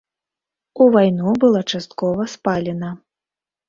У вайну была часткова спалена.